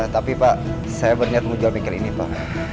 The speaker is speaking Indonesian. tapi pak saya berniat mau jual mikir ini pak